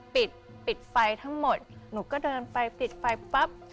ปิดปิดไฟทั้งหมดหนูก็เดินไปปิดไฟปั๊บ